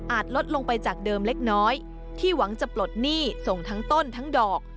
ลดลงไปจากเดิมเล็กน้อยที่หวังจะปลดหนี้ส่งทั้งต้นทั้งดอก